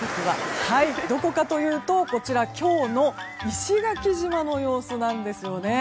どこかというとこちら今日の石垣島の様子です。